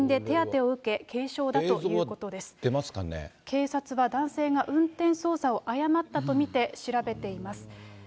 警察は男性が運転操作を誤ったと見て、調べています。